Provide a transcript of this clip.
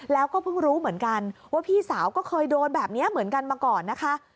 แล้วก็เพิ่งรู้เหมือนกันว่าพี่สาวก็เคยโดนแบบนี้เหมือนกันมาก่อนนะคะ